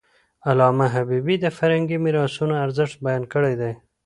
علامه حبيبي د فرهنګي میراثونو ارزښت بیان کړی دی.